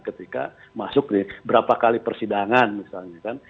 ketika masuk di berapa kali persidangan misalnya kan